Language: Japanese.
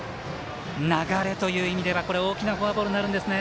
流れという意味では大きなフォアボールになるんですね。